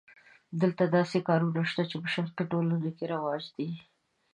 دلته داسې کارونه شته چې په شرقي ټولنو کې رواج دي.